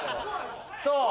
そう。